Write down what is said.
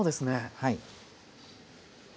はい。